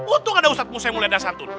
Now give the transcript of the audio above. untung ada ustaz musaimulian dasantun